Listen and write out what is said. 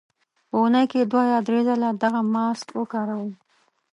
په اونۍ کې دوه یا درې ځله دغه ماسک وکاروئ.